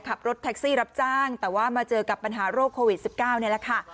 ขับรถรับจ้างแต่ว่ามาเจอกับปัญหาโรคโควิดสิบเก้านี่แหละค่ะ